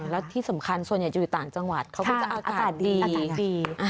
แล้วที่สำคัญส่วนใหญ่จะอยู่ต่างจังหวัดเขาก็จะอากาศดี